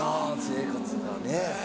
生活がね。